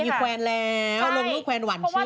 ก็อดมี่ครวันแล้วลงลูกแวลนวันชื่น